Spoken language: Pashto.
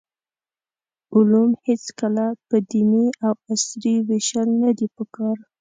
علوم هېڅکله په دیني او عصري ویشل ندي پکار.